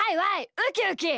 ウキウキ！